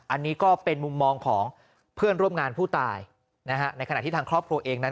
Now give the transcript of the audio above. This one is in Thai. อันนี้ก็เป็นมุมมองของเพื่อนร่วมงานผู้ตายนะฮะในขณะที่ทางครอบครัวเองนั้น